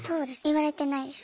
言われてないです。